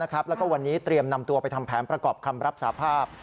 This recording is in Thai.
แล้วก็วันนี้เตรียมนำตัวไปทำแผนประกอบคำรับสาภาพ